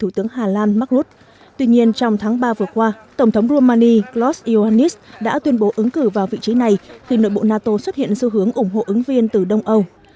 tuy nhiên trong tháng ba vừa qua tổng thống romani klaus johanis đã tuyên bố ứng cử vào vị trí này khi nội bộ nato xuất hiện xu hướng ủng hộ ứng viên từ đông âu